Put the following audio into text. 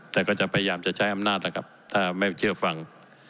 แต่ก็จะพยายามจะใช้อำนาจนะครับถ้าไม่เชื่อฟัง